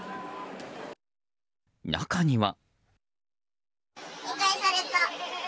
中には。